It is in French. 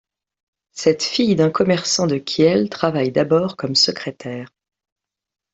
Cette fille d'un commerçant de Kiel travaille d'abord comme secrétaire.